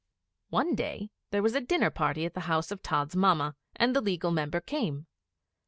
One day there was a dinner party at the house of Tods' Mamma, and the Legal Member came.